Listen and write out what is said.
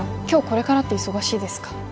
今日これからって忙しいですか？